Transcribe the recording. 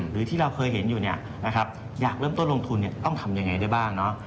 หรือที่เราเคยเห็นอยู่เนี่ยนะครับอยากเริ่มต้นลงทุนต้องทำยังไงได้บ้างเนาะ